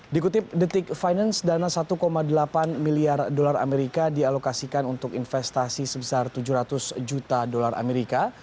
dikutip detik finance dana satu delapan miliar dolar amerika dialokasikan untuk investasi sebesar tujuh ratus juta dolar amerika